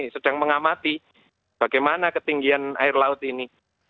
sedang mengamati bagaimana ketinggian air laut ini